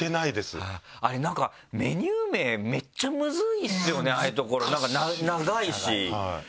あれなんかメニュー名めっちゃむずいですよねああいう所なんか長いし。